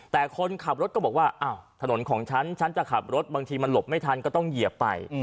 แต่คนขับรถก็บอกว่าอ้าวถนนของฉันฉันจะขับรถบางทีมันหลบไม่ทันก็ต้องเหยียบไป